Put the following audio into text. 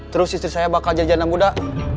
terus istri saya bakal jadi jalanan muda